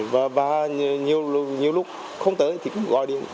và nhiều lúc không tới thì cũng gọi đi